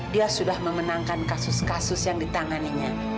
dia sudah memenangkan kasus kasus yang ditanganinya